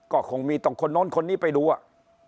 ก็คงมีต้องคนโน้นคนนี้ไปดูอ่ะ